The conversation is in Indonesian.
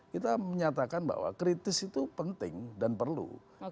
kita menyatakan bahwa kritis itu penting dan perlu